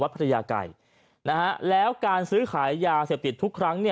วัดพระไทยาไก่นะฮะแล้วการซื้อขายยาเสพติดทุกครั้ง